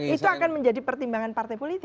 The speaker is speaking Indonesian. karena itu akan menjadi pertimbangan partai politik